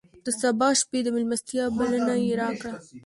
د سبا شپې د مېلمستیا بلنه یې راکړه.